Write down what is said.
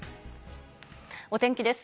お天気です。